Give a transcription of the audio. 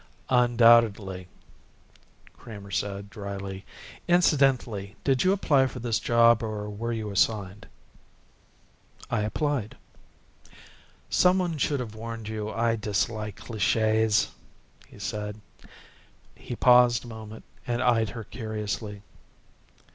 "Undoubtedly," Kramer said dryly. "Incidentally, did you apply for this job or were you assigned?" "I applied." "Someone should have warned you I dislike clichés," he said. He paused a moment and eyed her curiously.